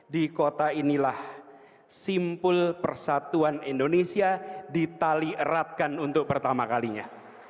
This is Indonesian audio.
di kota inilah simpul persatuan indonesia ditali eratkan untuk pertama kalinya